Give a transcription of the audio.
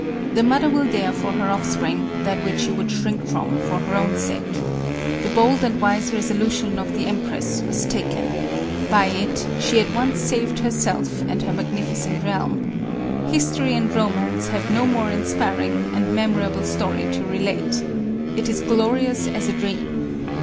The mother will dare for her offspring that which she would shrink from, for her own sake. The bold and wise resolution of the empress was taken. By it, she at once saved herself and her magnificent realm. His tory and romance have no more inspiring and memor able story to relate. It is glorious as a dream.